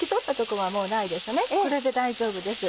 これで大丈夫です。